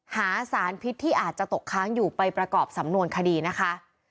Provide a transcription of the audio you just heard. หาสารพิษที่อาจจะตกค้างอยู่ไปประกอบสำนวนคดีนะคะ